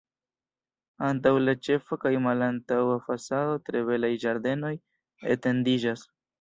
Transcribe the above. Antaŭ la ĉefa kaj malantaŭa fasado tre belaj ĝardenoj etendiĝas.